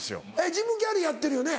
ジム・キャリーやってるよね？